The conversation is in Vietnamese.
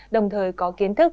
đồng thời có kiến thức